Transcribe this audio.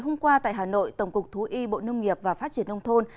hôm qua tại hà nội tổng cục thú y bộ nông nghiệp và phát triển nông thôn